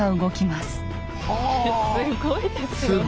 すごいですよね。